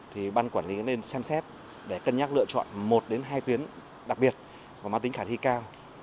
thì ban quản lý nên xem xét để cân nhắc lựa chọn một đến hai tuyến đặc biệt mà mang tính khả thi cao